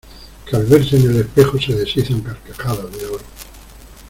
que al verse en el espejo se deshizo en carcajadas de oro.